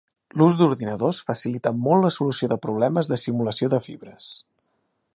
L'ús d'ordinadors facilita molt la solució de problemes de simulació de fibres.